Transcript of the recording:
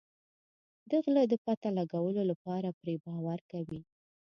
د غله د پته لګولو لپاره پرې باور کوي.